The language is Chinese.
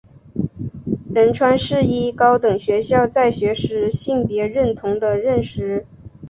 仁川世一高等学校在学时性别认同的认识。